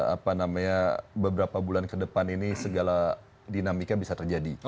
apa namanya beberapa bulan ke depan ini segala dinamika bisa terjadi